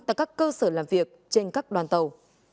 tại các cơ sở làm việc trên các đoàn tàu